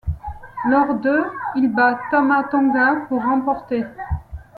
Lors de ', il bat Tama Tonga pour remporter '.